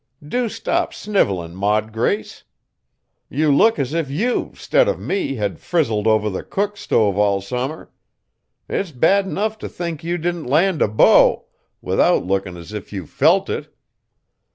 Do stop snivellin', Maud Grace! You look as if you, 'stead of me, had frizzled over the cook stove all summer! It's bad enough to think you didn't land a beau, without lookin' as if you felt it!